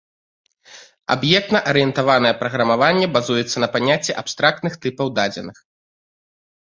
Аб'ектна-арыентаванае праграмаванне базуецца на паняцці абстрактных тыпаў дадзеных.